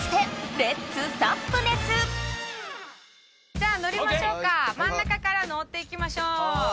じゃあ乗りましょうか真ん中から乗っていきましょう。